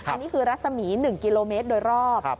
อันนี้คือรัศมี๑กิโลเมตรโดยรอบ